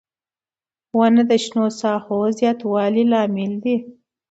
• ونه د شنو ساحو زیاتوالي لامل دی.